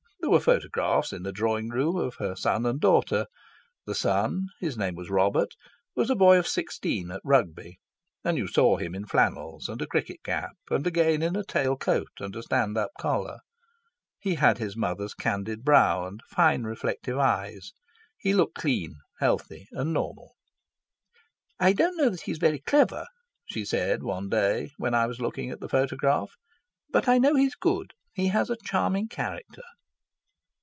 There were photographs in the drawing room of her son and daughter. The son his name was Robert was a boy of sixteen at Rugby; and you saw him in flannels and a cricket cap, and again in a tail coat and a stand up collar. He had his mother's candid brow and fine, reflective eyes. He looked clean, healthy, and normal. "I don't know that he's very clever," she said one day, when I was looking at the photograph, "but I know he's good. He has a charming character."